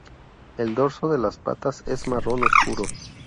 El dorso de las patas es marrón oscuro.